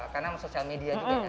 karena social media juga ya